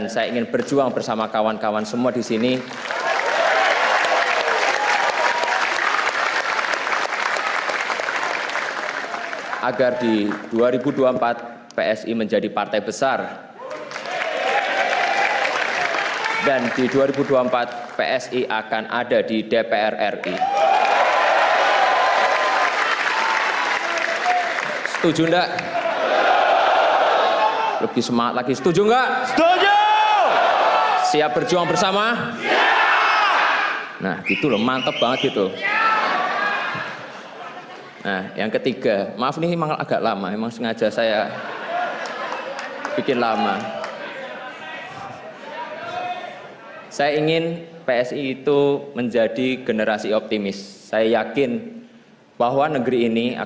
saya ingin berjuang bersama kawan kawan semua di sini